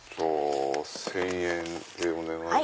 １０００円でお願いします。